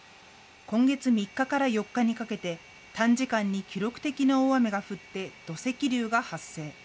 今月３日から４日にかけて短時間に記録的な大雨が降って土石流が発生。